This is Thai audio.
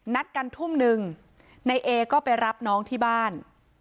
นัดกันทุ่มนึงนายเอก็ไปรับน้องที่บ้าน